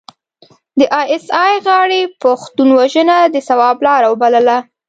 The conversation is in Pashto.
د ای اس ای غاړې پښتون وژنه د ثواب لاره وبلله.